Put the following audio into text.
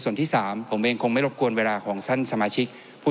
ส่วนที่๓ผมเองคงไม่รบกวนเวลาของท่านสมาชิก